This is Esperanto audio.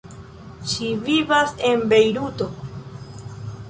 Ŝi vivas en Bejruto.